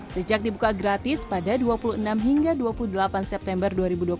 sejak dibuka gratis pada dua puluh enam hingga dua puluh delapan september dua ribu dua puluh